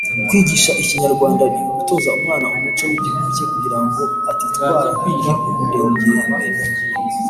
Kwigisha ikinyarwanda ni ugutoza umwana umuco w’igihugu cye kugira ngo atitwara nk’igihuindugembe.